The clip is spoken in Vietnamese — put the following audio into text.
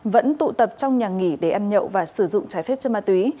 vẫn tụ tập trong nhà nghỉ để ăn nhậu và sử dụng trái phép chất ma túy